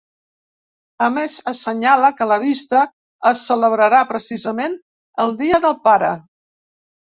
A més, assenyala que la vista es celebrarà, precisament, el dia del pare.